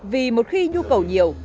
vì một khi nhu cầu nhiều